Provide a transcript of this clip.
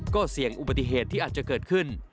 ก็เสี่ยงอุบัติเหตุที่อาจจะเกิดขึ้น